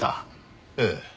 ええ。